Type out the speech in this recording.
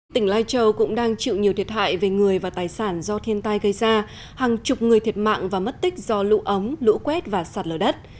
tỉnh lai châu cũng đang chịu nhiều thiệt hại về người và tài sản do thiên tai gây ra hàng chục người thiệt mạng và mất tích do lũ ống lũ quét và sạt lở đất